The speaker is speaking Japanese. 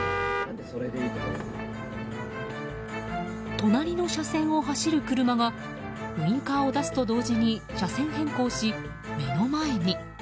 隣の車線を走る車がウインカーを出すと同時に車線変更し、目の前に。